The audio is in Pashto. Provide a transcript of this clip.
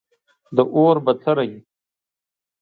د اور بڅری